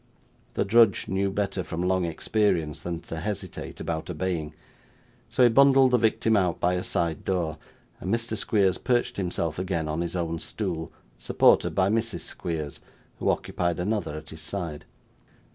The drudge knew better from long experience, than to hesitate about obeying, so he bundled the victim out by a side door, and Mr. Squeers perched himself again on his own stool, supported by Mrs. Squeers, who occupied another at his side.